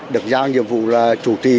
được giao nhiệm vụ là chủ trì